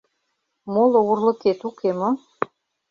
— Моло урлыкет уке мо?